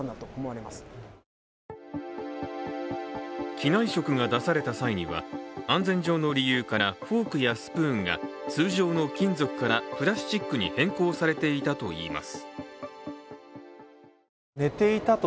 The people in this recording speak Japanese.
機内食が出された際には安全上の理由からフォークやスプーンが通常の金属からプラスチックに変更されていたといいます。